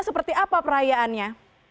seperti apa perayaannya